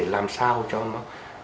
làm sao cho nó